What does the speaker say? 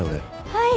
はい。